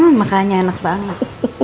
hmm makanya enak banget